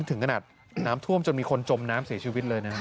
ถึงขนาดน้ำท่วมจนมีคนจมน้ำเสียชีวิตเลยนะครับ